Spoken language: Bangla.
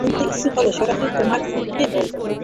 শুনতে ইচ্ছুক হলে, সরাসরি তোমায় সত্যিটাই বলবো।